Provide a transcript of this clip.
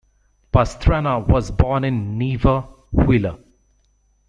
Pastrana was born in Neiva, Huila.